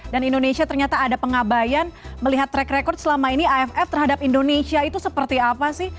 dan indonesia ternyata ada pengabayan melihat track record selama ini aff terhadap indonesia itu seperti apa sih